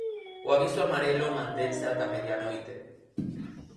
O aviso amarelo mantense ata a medianoite.